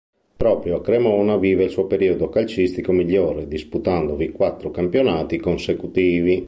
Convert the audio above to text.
Proprio a Cremona vive il suo periodo calcistico migliore, disputandovi quattro campionati consecutivi.